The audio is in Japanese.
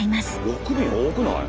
６便多くない？